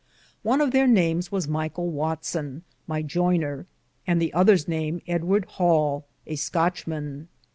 One of there names was Myghell Watson, my joyner ; the other's name Edward Hale, a Cotchman.